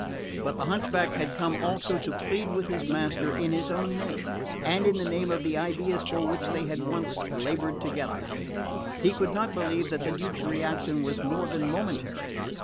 But the hunchback had come also to plead with his master in his own name, and in the name of the ideas for which they had once laboured together. He could not believe that the Duke's reaction was more than momentary.